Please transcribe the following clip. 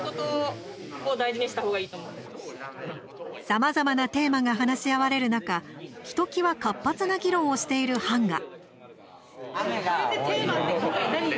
さまざまテーマが話し合われる中ひときわ活発な議論をしている班が。